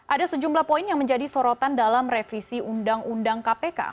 ada sejumlah poin yang menjadi sorotan dalam revisi undang undang kpk